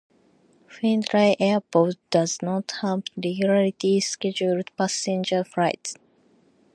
Findlay Airport does not have regularly scheduled passenger flights.